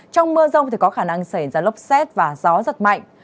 trong mưa rông thì có khả năng xảy ra lốc xét và gió giật mạnh